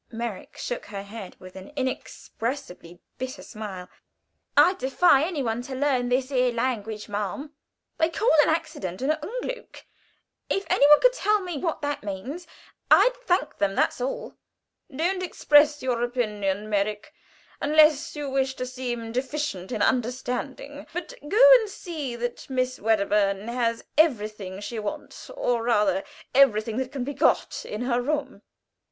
Merrick shook her head with an inexpressibly bitter smile. "I'd defy any one to learn this 'ere language, ma'am. They call an accident a Unglück; if any one could tell me what that means, I'd thank them, that's all." "Don't express your opinions, Merrick, unless you wish to seem deficient in understanding; but go and see that Miss Wedderburn has everything she wants or rather everything that can be got in her room.